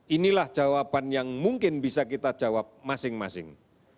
inilah jawaban yang mungkin bisa kita jawab masing masing